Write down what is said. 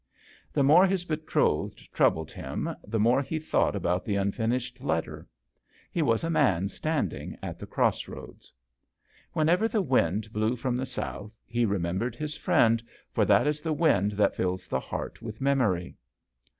The more his betrothed troubled him the more he thought about the unfinished letter. He was a man standing at the cross roads. Whenever the wind blew from the south he remembered his friend, for that is the wind that fills the heart with memory.